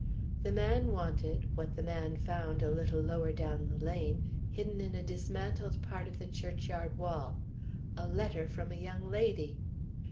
The man wanted what the man found a little lower down the lane, hidden in a dismantled part of the church yard wall a letter from a young lady.